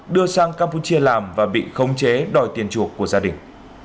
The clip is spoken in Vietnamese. đưa sang campuchia làm và bị khống chế đòi tiền chuộc của gia đình